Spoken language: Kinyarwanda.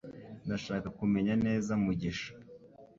Ndashaka kumenya neza mugisha